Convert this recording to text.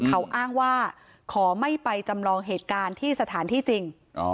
เขาอ้างว่าขอไม่ไปจำลองเหตุการณ์ที่สถานที่จริง